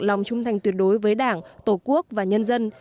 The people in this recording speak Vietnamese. lòng trung thành tuyệt đối với đảng tổ quốc và nhân dân